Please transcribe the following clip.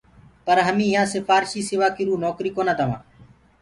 پر همي يهآنٚ سِپهارشي سِوا ڪِرو نوڪريٚ ڪونآ دوآنٚ۔